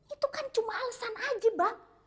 itu kan cuma alasan aja bang